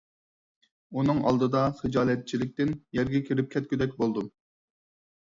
ئۇنىڭ ئالدىدا خىجالەتچىلىكتىن يەرگە كىرىپ كەتكۈدەك بولدۇم.